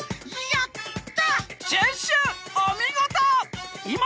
やった！